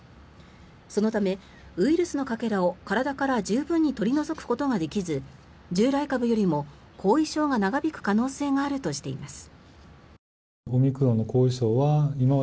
そのため、ウイルスのかけらを体から十分に取り除くことができず従来株よりも後遺症が長引く可能性があるとしています。